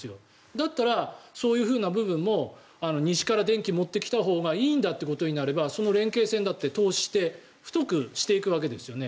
だったら、そういう部分も西から電気を持ってきたほうがいいんだということになればその連系線だって投資して太くしていくわけですよね。